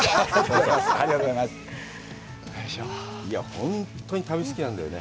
本当に旅が好きなんだよね。